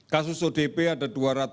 kasus odp ada dua ratus enam puluh sembilan